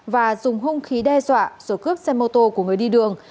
và dùng hung khí đe dọa rồi cướp xe mô tô của người đi đường